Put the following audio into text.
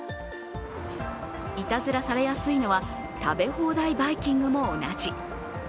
いたずらされやすいのは食べ放題バイキングも同じ。